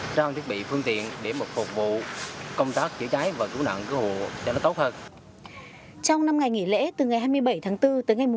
trang thiết bị phương tiện để phục vụ công tác trái trái và cứu nạn cứu hộ cho nó tốt hơn